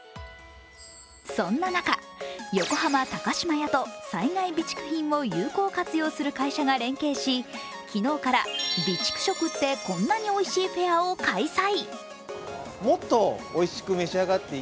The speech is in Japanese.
そんな中、横浜高島屋と災害備蓄品を有効活用する会社が連携し昨日から「備蓄食ってこんなにおいしいフェア」を開催。